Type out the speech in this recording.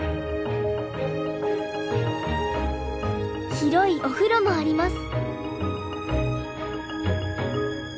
広いお風呂もあります。